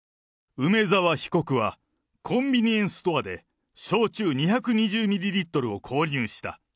梅沢被告は、コンビニエンスストアで焼酎２２０ミリリットルを購入した。